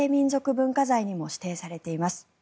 文化財にも指定されています。